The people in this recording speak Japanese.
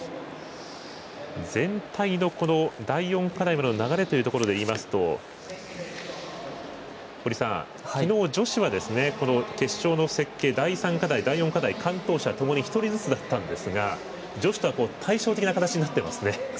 全体の第４課題の流れというところでいいますと堀さん、昨日女子は決勝の設計第３課題、第４課題完登者、ともに１人ずつだったんですが女子とは対照的な形になっていますね。